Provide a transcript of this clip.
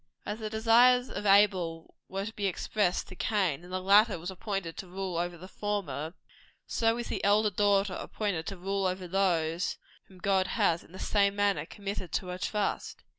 As the desires of Abel were to be expressed to Cain, and the latter was appointed to rule over the former, so is the elder daughter appointed to rule over those whom God has, in the same manner, committed to her trust.